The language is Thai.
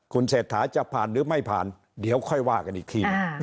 คุณเศรษฐาจะผ่านหรือไม่ผ่านเดี๋ยวค่อยว่ากันอีกที